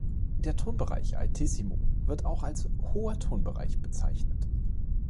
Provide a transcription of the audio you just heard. Der Tonbereich Altissimo wird auch als „hoher Tonbereich“ bezeichnet.